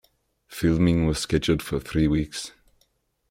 Filming was scheduled for three weeks.